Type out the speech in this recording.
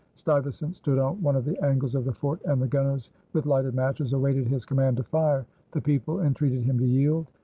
Stuyvesant stood on one of the angles of the fort and the gunners with lighted matches awaited his command to fire. The people entreated him to yield.